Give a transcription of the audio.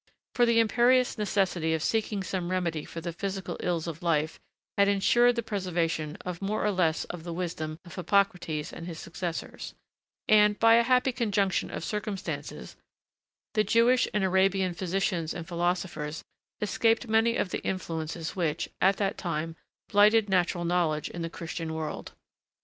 For the imperious necessity of seeking some remedy for the physical ills of life had insured the preservation of more or less of the wisdom of Hippocrates and his successors, and, by a happy conjunction of circumstances, the Jewish and the Arabian physicians and philosophers escaped many of the influences which, at that time, blighted natural knowledge in the Christian world.